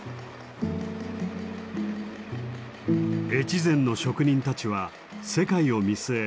越前の職人たちは世界を見据え